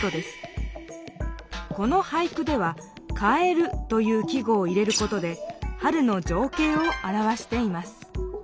この俳句では「蛙」という季語を入れることで春のじょうけいをあらわしています。